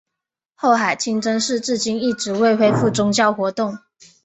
后海清真寺至今一直未恢复宗教活动。